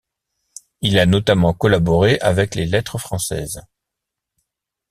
Il a notamment collaboré avec les Lettres françaises.